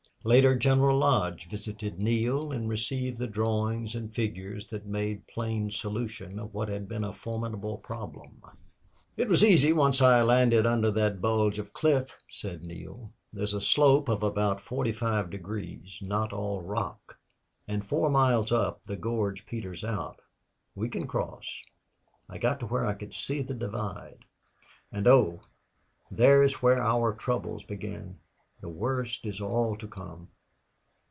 Later General Lodge visited Neale and received the drawings and figures that made plain solution of what had been a formidable problem. "It was easy, once I landed under that bulge of cliff," said Neale. "There's a slope of about forty five degrees not all rock. And four miles up the gorge peters out. We can cross. I got to where I could see the divide and oh! there is where our troubles begin. The worst is all to come."